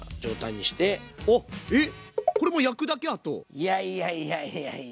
いやいやいやいやいやいや。